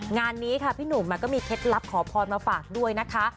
งานนี้ค่ะพี่หนุ่มก็มีเคล็ดลับขอพรมาฝากด้วยนะคะ